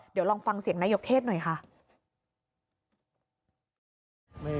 เดี๋ยวลองฟังเสียงนายกเทศหน่อยค่ะ